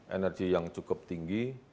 energi yang cukup tinggi